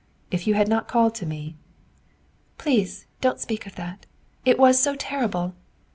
If you had not called to me " "Please don't speak of that! It was so terrible!"